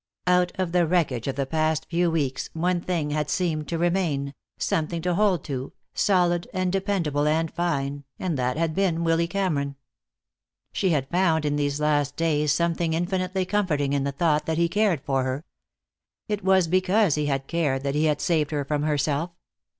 Out of the wreckage of the past few weeks one thing had seemed to remain, something to hold to, solid and dependable and fine, and that had been Willy Cameron. She had found, in these last days, something infinitely comforting in the thought that he cared for her. It was because he had cared that he had saved her from herself.